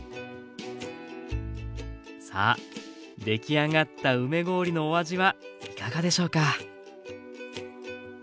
さあできあがった梅氷のお味はいかがでしょうか？